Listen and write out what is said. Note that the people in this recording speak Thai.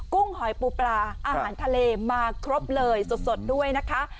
หอยปูปลาอาหารทะเลมาครบเลยสดด้วยนะคะ